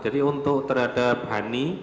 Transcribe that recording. jadi untuk terhadap hani